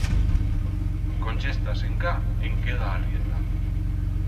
Conchestas encá en queda arrienda.